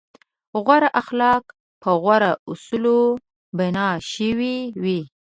غوره اخلاق په غوره اصولو بنا شوي وي.